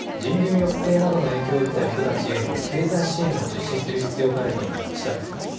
抑制などの影響を受けた人たちへの経済支援を実施する必要があると述べました。